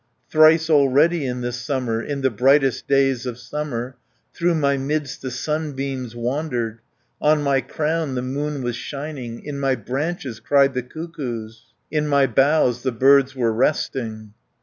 Thrice already in this summer, In the brightest days of summer, Through my midst the sunbeams wandered. On my crown the moon was shining, In my branches cried the cuckoos. In my boughs the birds were resting."